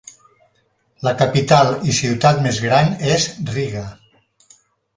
La capital i ciutat més gran és Riga.